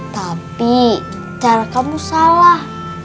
tapi cara kamu salah